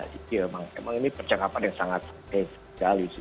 jadi memang ini percakapan yang sangat terkait sekali sih